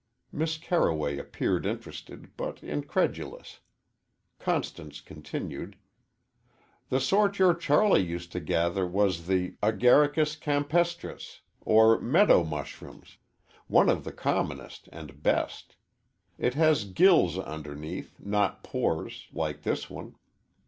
Miss Carroway appeared interested, but incredulous. Constance continued. "The sort your Charlie used to gather was the Agaricus Campestris, or meadow mushroom one of the commonest and best. It has gills underneath not pores, like this one.